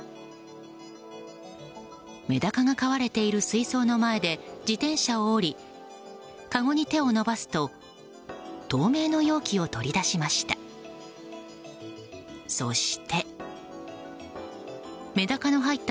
メダカが飼われている水槽の前で自転車を降りかごに手を伸ばすと透明の容器を取り出しました。